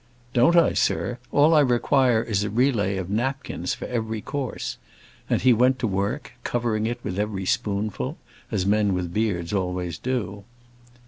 "Don't I, sir? All I require is a relay of napkins for every course:" and he went to work, covering it with every spoonful, as men with beards always do.